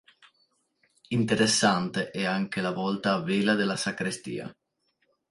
Interessante è anche la volta a "vela" della sacrestia.